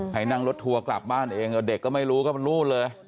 ให้นั่งรถทัวร์กลับบ้านเองเด็กก็ไม่รู้ก็รู้เลย